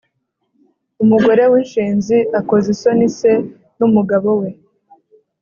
umugore w'inshinzi akoza isoni se n'umugabo we